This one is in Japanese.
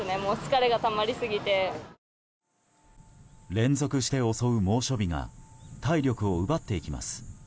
連続して襲う猛暑日が体力を奪っていきます。